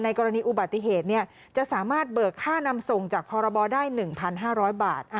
กรณีอุบัติเหตุจะสามารถเบิกค่านำส่งจากพรบได้๑๕๐๐บาท